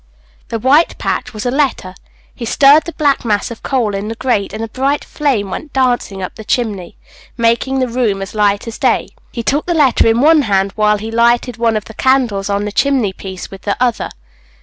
The white patch was a letter. He stirred the black mass of coal in the grate, and a bright flame went dancing up the chimney, making the room as light as day. He took the letter in one hand, while he lighted one of the candles on the chimney piece with the other.